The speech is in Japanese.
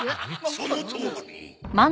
そのとおり！